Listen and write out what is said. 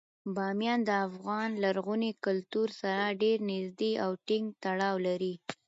بامیان د افغان لرغوني کلتور سره ډیر نږدې او ټینګ تړاو لري.